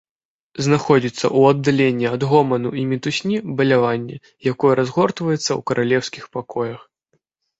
Знаходзіцца ў аддаленні ад гоману і мітусні балявання, якое разгортваецца ў каралеўскіх пакоях.